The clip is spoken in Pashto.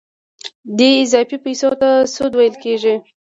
دې اضافي پیسو ته سود ویل کېږي